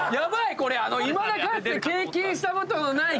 これいまだかつて。